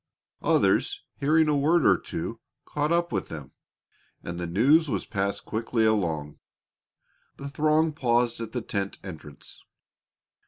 Others, hearing a word or two, caught up with them, and the news was passed quickly along. The throng paused at the tent entrance.